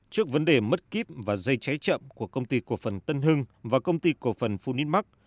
trước vấn đề mất kíp và dây cháy chậm của công ty cổ phần tân hưng và công ty cổ phần phu ninh mắc